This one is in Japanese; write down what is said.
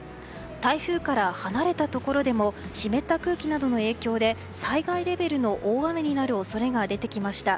台風から離れたところでも湿った空気などの影響で災害レベルの大雨になる恐れが出てきました。